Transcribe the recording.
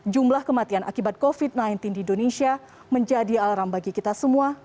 jumlah kematian akibat covid sembilan belas di indonesia menjadi alarm bagi kita semua